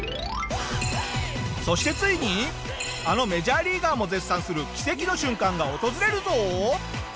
そしてついにあのメジャーリーガーも絶賛する奇跡の瞬間が訪れるぞ！